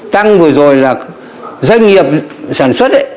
tăng vừa rồi là doanh nghiệp sản xuất ấy